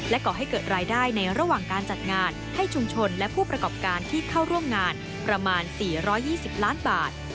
ก่อให้เกิดรายได้ในระหว่างการจัดงานให้ชุมชนและผู้ประกอบการที่เข้าร่วมงานประมาณ๔๒๐ล้านบาท